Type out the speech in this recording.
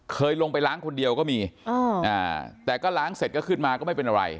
เคยลงไปล้างคนเดียวก็มีแต่ก็ล้างเสร็จก็ขึ้นมาก็ไม่เป็นอะไร